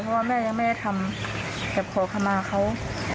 เพราะว่าแม่ยังไม่ได้ทำแบบขอขมาเขา